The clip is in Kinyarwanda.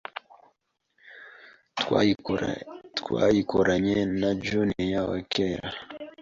twayikoranye na Junior wakera